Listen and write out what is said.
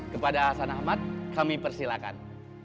kepada hasan ahmad kami persilakan